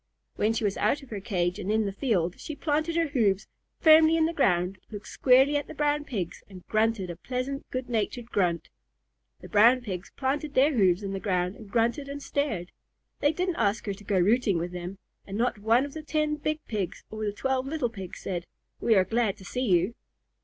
When she was out of her cage and in the field, she planted her hoofs firmly in the ground, looked squarely at the Brown Pigs, and grunted a pleasant, good natured grunt. The Brown Pigs planted their hoofs in the ground and grunted and stared. They didn't ask her to go rooting with them, and not one of the ten big Pigs or the twelve little Pigs said, "We are glad to see you."